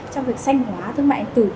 trong việc xanh hóa thương mại điện tử